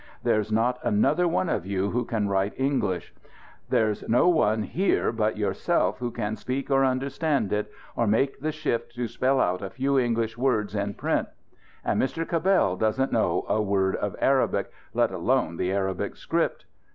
There's not another one of you who can write English. There's no one here but yourself who can speak or understand it or make shift to spell out a few English words in print And Mr. Cabell doesn't know a word of Arabic let alone the Arabic script.